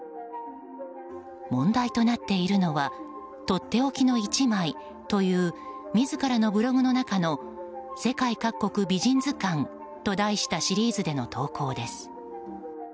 問題となっているのは「とっておきの１枚」という自らのブログの中の「世界各国美人図鑑」と題したシリーズでの投稿です。